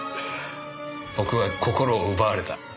僕は心を奪われた。